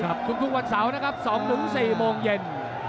ขอบคุณทุกวันเสาร์นะครับ๒๔โมงเย็น